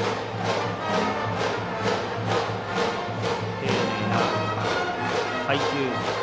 丁寧な配球。